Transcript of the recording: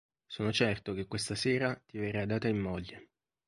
Sono certo che questa sera ti verrà data in moglie.